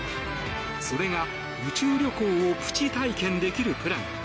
それが、宇宙旅行をプチ体験できるプラン。